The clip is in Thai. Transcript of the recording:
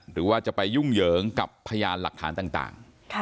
หรือว่าจะไปยุ่งเหยิงกับพยานหลักฐานต่าง